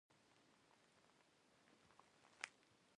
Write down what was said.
آیا د پښتنو په کلتور کې د اور ارزښت ډیر نه دی؟